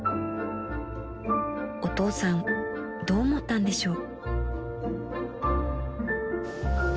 ［お父さんどう思ったんでしょう？］